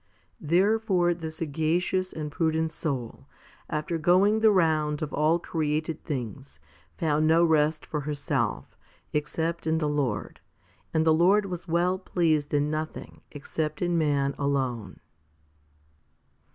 Therefore the sagacious and prudent soul, after going the round of all created things, found no rest for herself, except in the Lord ; and the Lord was well pleased in nothing except in man alone.